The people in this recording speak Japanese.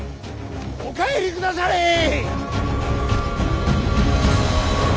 お帰りくだされ！